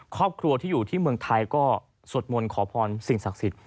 ครอบครัวที่อยู่ที่เมืองไทยก็สวดมนต์ขอพรสิ่งศักดิ์สิทธิ